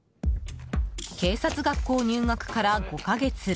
警察学校入学から５か月。